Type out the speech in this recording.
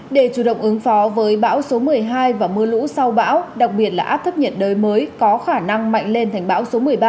để chủ động ứng phó với bão số một mươi hai và mưa lũ sau bão đặc biệt là áp thấp nhiệt đới mới có khả năng mạnh lên thành bão số một mươi ba